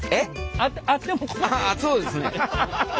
あっそうですね。